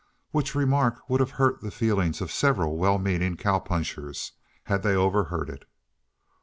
Which remark would have hurt the feelings of several well meaning cow punchers, had they overheard it.